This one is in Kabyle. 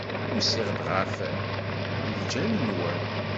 Usiɣ-d ɣef ljal-nwen.